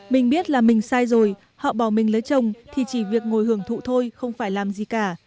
mình biết là mình sai rồi họ bỏ mình lấy chồng thì chỉ việc ngồi hưởng thụ thôi không phải làm gì cả